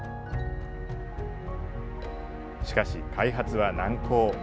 しかし、開発は難航。